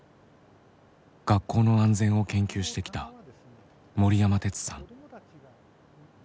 学校の安全を研究してきた森山哲さん。